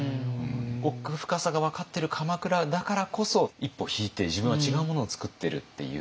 奥深さが分かってる鎌倉だからこそ一歩引いて自分は違うものを作ってるって言った。